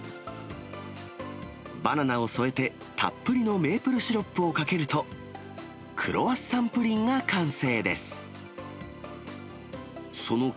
バナナを添えて、たっぷりのメープルシロップをかけると、クロワッサンプリンが完成です。